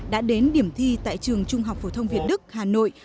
đã đến điểm thi tại trường trung học phổ thông việt đức hà nội